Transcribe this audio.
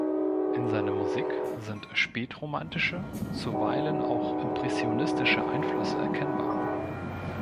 In seiner Musik sind spätromantische, zuweilen auch impressionistische Einflüsse erkennbar.